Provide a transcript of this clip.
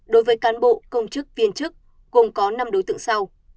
đối với cán bộ công chức viên chức gồm có năm đối tượng sau